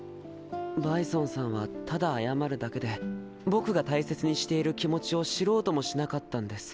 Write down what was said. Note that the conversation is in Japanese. バイソンさんはただ謝るだけで僕が大切にしている気持ちを知ろうともしなかったんです。